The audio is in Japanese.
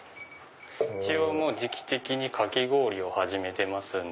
一応時期的にかき氷を始めてますんで。